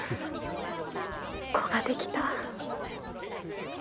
子ができた。